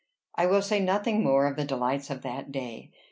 I will say nothing more of the delights of that day.